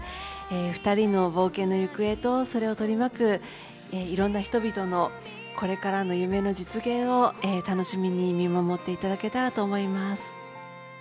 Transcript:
２人の冒険の行方とそれを取り巻くいろんな人々のこれからの夢の実現を楽しみに見守っていただけたらと思います。